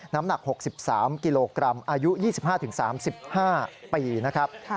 น้ำหนัก๖๓กิโลกรัมอายุ๒๕๓๕ปีนะครับ